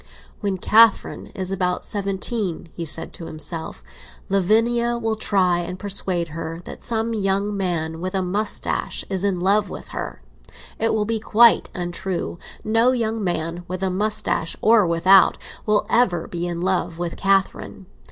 "When Catherine is about seventeen," he said to himself, "Lavinia will try and persuade her that some young man with a moustache is in love with her. It will be quite untrue; no young man, with a moustache or without, will ever be in love with Catherine.